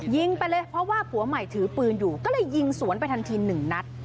ยิงไปเลยเพราะว่าผัวใหม่ถือปืนอยู่ก็เลยยิงสวนไปทันทีหนึ่งนัด